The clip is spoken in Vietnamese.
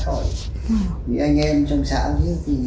rồi hỏi vì anh em trong xã chứ